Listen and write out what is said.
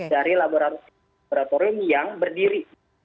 dari laboratorium yang berdiri